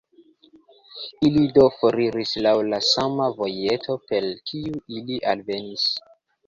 Ili do foriris laŭ la sama vojeto, per kiu ili alvenis.